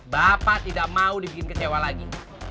bapak tidak mau dibikin kecewa lagi